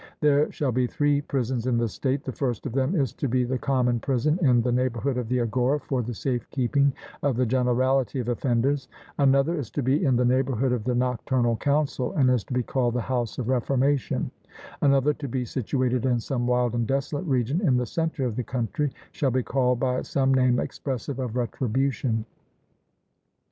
There shall be three prisons in the state: the first of them is to be the common prison in the neighbourhood of the agora for the safe keeping of the generality of offenders; another is to be in the neighbourhood of the nocturnal council, and is to be called the 'House of Reformation'; another, to be situated in some wild and desolate region in the centre of the country, shall be called by some name expressive of retribution.